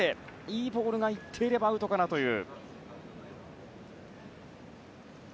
いいボールがいっていればアウトかなという。